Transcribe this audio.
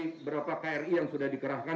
beberapa kri yang sudah dikerahkan